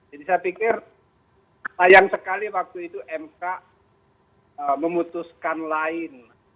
jadi saya pikir sayang sekali waktu itu mk memutuskan lain